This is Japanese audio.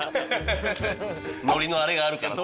海苔のあれがあるからさ。